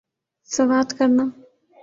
سوات کرنا